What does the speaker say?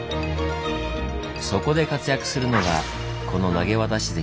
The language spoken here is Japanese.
そこで活躍するのがこの投渡堰。